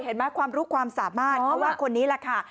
เห็นมั้ยความรู้ความสามารถว่าคนนี้แหละคะ